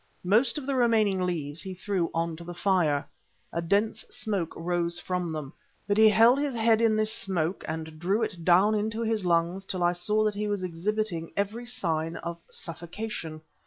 Most of the remaining leaves he threw on to the fire. A dense smoke rose from them, but he held his head in this smoke and drew it down his lungs till I saw that he was exhibiting every sign of suffocation.